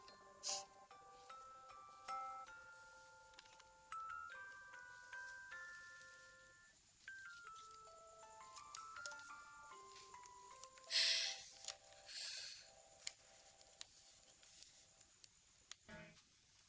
aku akan beritahu